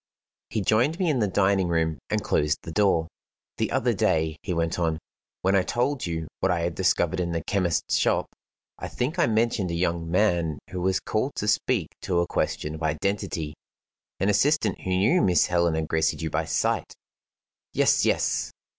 He joined me in the dining room, and closed the door. "The other day," he went on, "when I told you what I had discovered in the chemist's shop, I think I mentioned a young man who was called to speak to a question of identity an assistant who knew Miss Helena Gracedieu by sight." "Yes, yes!"